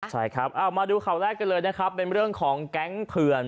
ใช่ครับเอามาดูข่าวแรกกันเลยนะครับเป็นเรื่องของแก๊งเถื่อน